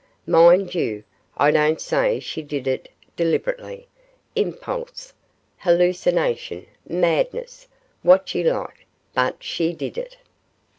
Mind you, I don't say she did it deliberately impulse hallucination madness what you like but she did it.